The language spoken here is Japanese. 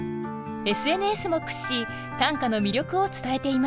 ＳＮＳも駆使し短歌の魅力を伝えています。